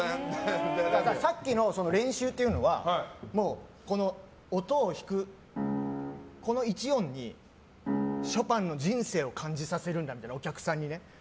さっきの練習というのはもう音を弾く、この１音にショパンの人生を感じさせるんだみたいなお客さんにね。